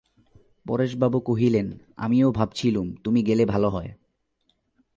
পরেশবাবু কহিলেন, আমিও ভাবছিলুম, তুমি গেলে ভালো হয়।